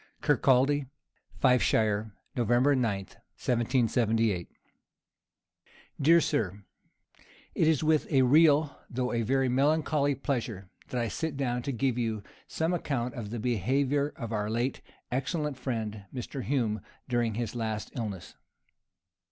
Kirkaldy, Fifeshire, Nov. 9, 1778.[] DEAR SIR, It is with a real, though a very melancholy pleasure, that I sit down to give you some account of the behavior of our late excellent friend, Mr. Hume, during his last illness.